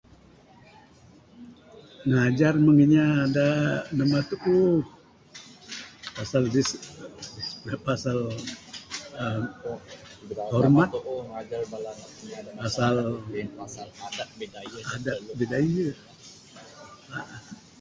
Najar mung inya da namba tuuh, pasal bis, pasal uhh hormat, pasal adat Bidayuh.